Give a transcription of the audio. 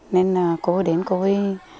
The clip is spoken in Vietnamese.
nên cô đến cô ấy